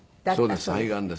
そうです。